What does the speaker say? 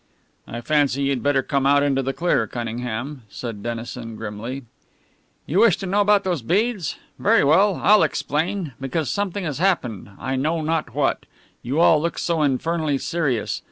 "I fancy you'd better come out into the clear, Cunningham," said Dennison, grimly. "You wish to know about those beads? Very well, I'll explain, because something has happened I know not what. You all look so infernally serious.